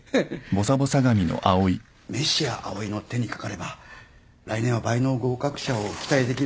メシア藍井の手にかかれば来年は倍の合格者を期待できる。